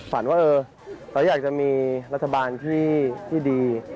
ฝันว่าเออเราอยากจะมีรัฐบาลที่ดี